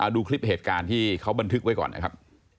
ดูคลิปเหตุการณ์ที่เขาบันทึกไว้ก่อนนะครับ